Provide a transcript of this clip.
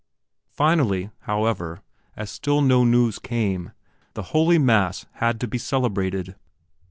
Finally, however, as still no news came, the holy mass had to be celebrated.